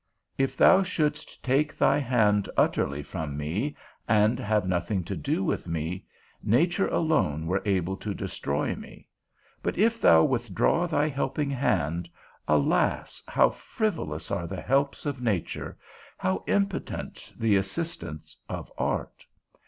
If thou shouldst take thy hand utterly from me, and have nothing to do with me, nature alone were able to destroy me; but if thou withdraw thy helping hand, alas, how frivolous are the helps of nature, how impotent the assistances of art?